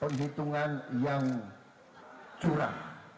penghitungan yang curah